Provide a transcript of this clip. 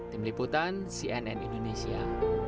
tim liputan cnn indonesia